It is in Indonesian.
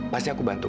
pasti aku bantu